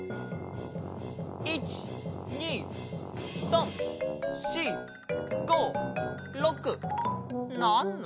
１２３４５６７？